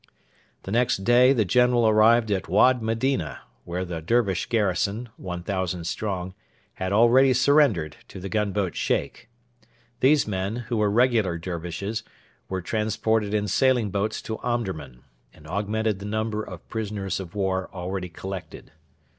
The next day the general arrived at Wad Medina, where the Dervish garrison 1,000 strong had already surrendered to the gunboat Sheikh. These men, who were regular Dervishes, were transported in sailing boats to Omdurman; and augmented the number of prisoners of war already collected.